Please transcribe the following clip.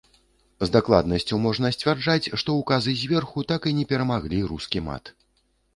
З дакладнасцю можна сцвярджаць, што ўказы зверху так і не перамаглі рускі мат.